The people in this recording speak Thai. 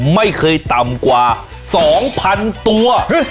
ไม่เคยต่ำกว่า๒๐๐๐ตัว